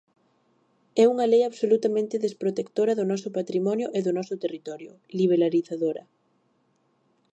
É unha lei absolutamente desprotectora do noso patrimonio e do noso territorio, liberalizadora.